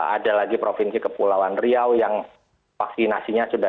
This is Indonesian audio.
ada lagi provinsi kepulauan riau yang vaksinasinya sudah